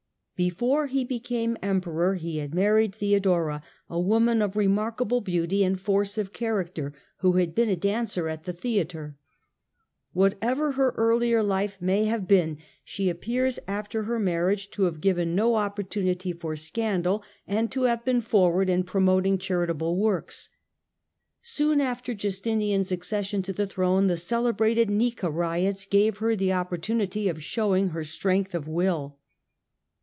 Before he became Emperor he had married Theodora, a woman of remarkable beauty and force of character, who had been a dancer at the theatre. "Whatever her earlier life may have been, she appears, after her marriage, to have given no opportunity for scandal, and to have been forward in promoting charitable works. Soon after Justinian's accession to the throne the celebrated " Xika " riots gave her the opportunity of showing her strength of will.